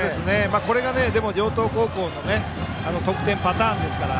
これが、でも城東高校の得点パターンですから。